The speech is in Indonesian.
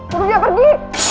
suruh dia pergi